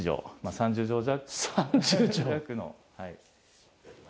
３０畳弱。